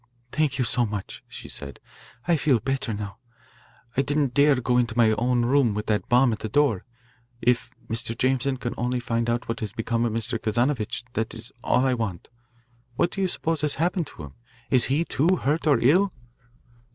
"Thank you so much," she said. "I feel better now. I didn't dare go into my own room with that bomb at the door. If Mr. Jameson can only find out what has become of Mr. Kazanovitch, that is all I want. What do you suppose has happened to him? Is he, too, hurt or ill?"